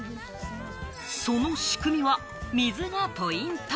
その仕組みは水がポイント。